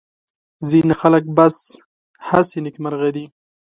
ځینې خلک بس هسې نېکمرغه دي.